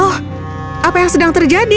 oh apa yang sedang terjadi